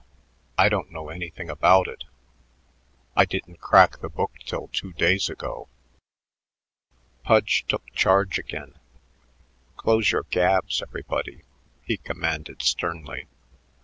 I don't know anything about it. I didn't crack the book till two days ago." Pudge took charge again. "Close your gabs, everybody," he commanded sternly.